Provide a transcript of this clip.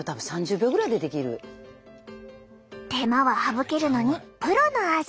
手間は省けるのにプロの味！